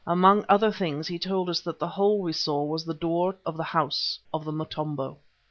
Among other things he told us that the hole we saw was the door of the House of the Motombo.